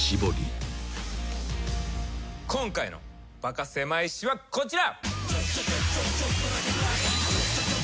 今回のバカせまい史はこちら。